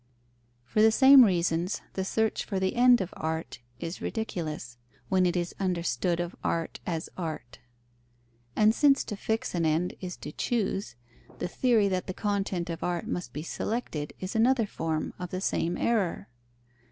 _ For the same reasons the search for the end of art is ridiculous, when it is understood of art as art. And since to fix an end is to choose, the theory that the content of art must be selected is another form of the same error.